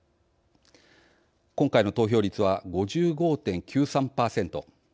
今回の投票率は５５．９３％。